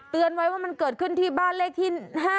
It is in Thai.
ไว้ว่ามันเกิดขึ้นที่บ้านเลขที่๕๗